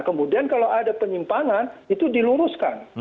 kemudian kalau ada penyimpangan itu diluruskan